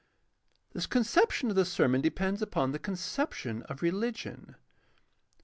— The conception of the sermon depends upon the conception of rehgion.